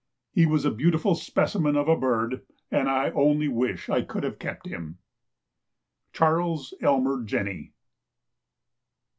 He was a beautiful specimen of a bird, and I only wish I could have kept him. Charles Elmer Jenney.